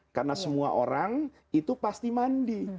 karena semua orang itu pasti mandi